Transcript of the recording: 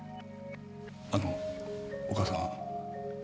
あのお母さん。